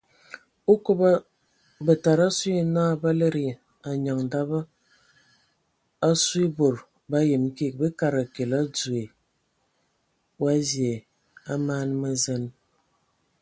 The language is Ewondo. Okoba bətada asu yə na ba lədə anyaŋ daba asue e bod ba yəm kig bə kadəga kəle odzoe wa vie a man mə zen.